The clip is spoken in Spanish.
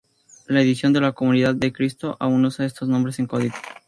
La edición de la Comunidad de Cristo aún usa estos nombres en código.